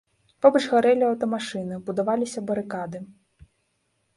Побач гарэлі аўтамашыны, будаваліся барыкады.